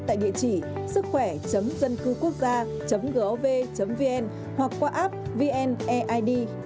tại địa chỉ sứckhoẻ dâncưquốcgia gov vn hoặc qua app vneid